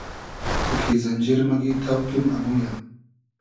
تو کی زئنجیر موگی تۆقیم امویۂ